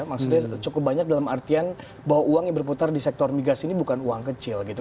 maksudnya cukup banyak dalam artian bahwa uang yang berputar di sektor migas ini bukan uang kecil gitu